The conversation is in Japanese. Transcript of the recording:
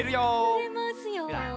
ゆれますよ。